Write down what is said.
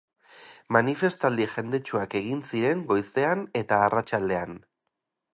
Manifestaldi jendetsuak egin ziren goizean eta arratsaldean.